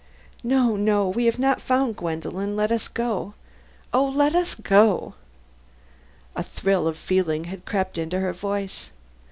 "No, no. We have not found Gwendolen; let us go. Oh, let us go!" A thrill of feeling had crept into her voice.